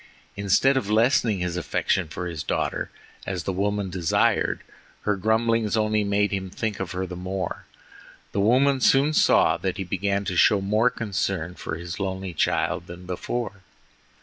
Instead of lessening his affection for his daughter, as the woman desired, her grumblings only made him think of her the more. The woman soon saw that he began to show more concern for his lonely child than before.